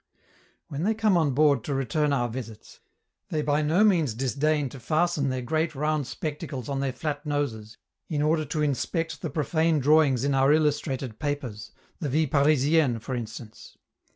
When they come on board to return our visits, they by no means disdain to fasten their great round spectacles on their flat noses in order to inspect the profane drawings in our illustrated papers, the 'Vie Parisienne' for instance.